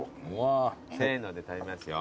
せーので食べますよ。